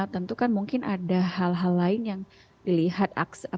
tentu kan mungkin ada hal hal lain yang dilihat